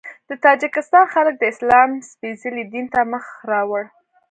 د تاجکستان خلک د اسلام سپېڅلي دین ته مخ راوړ.